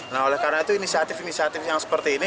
nah oleh karena itu inisiatif inisiatif yang seperti ini